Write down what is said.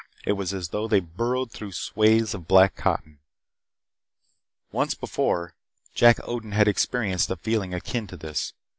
It was as though they burrowed through swathes of black cotton. Once before, Jack Odin had experienced a feeling akin to this.